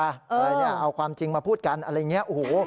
อะไรเนี่ยเอาความจริงมาพูดกันอะไรอย่างนี้โอ้โห